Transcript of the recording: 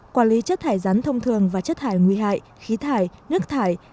quản lý chất thải rắn thông thường và chất thải nguy hại khí thải nước thải